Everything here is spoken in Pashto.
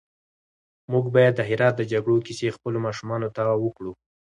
موږ بايد د هرات د جګړو کيسې خپلو ماشومانو ته وکړو.